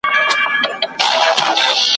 له لومړۍ ورځي په نورو پسي ګوري ,